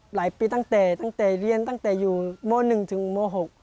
หลายปีตั้งทีเรียนตั้งแต่โม๑ถึงโม๖